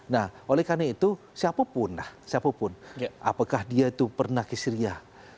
nah oleh karena itu siapapun lah siapapun apakah dia itu pernah ke syria